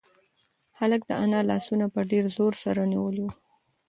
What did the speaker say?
هلک د انا لاسونه په ډېر زور سره نیولي وو.